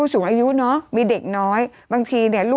กรมป้องกันแล้วก็บรรเทาสาธารณภัยนะคะ